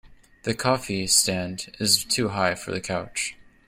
The coffee stand is too high for the couch.